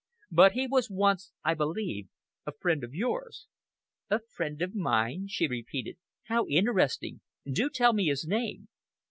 But he was once, I believe, a friend of yours." "A friend of mine!" she repeated. "How interesting! Do tell me his name!"